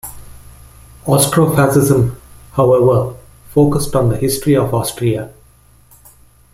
Austrofascism, however, focused on the history of Austria.